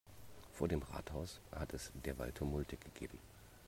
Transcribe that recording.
Vor dem Rathaus hat es derweil Tumulte gegeben.